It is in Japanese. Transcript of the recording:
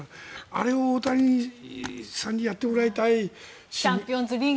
あれを大谷さんにやってもらいたい。